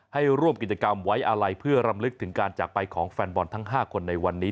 ให้ร่วมกิจกรรมไว้อาลัยเพื่อรำลึกถึงการจากไปของแฟนบอลทั้ง๕คนในวันนี้